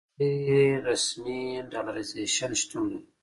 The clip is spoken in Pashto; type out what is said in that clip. غیر رسمي ډالرایزیشن شتون لري.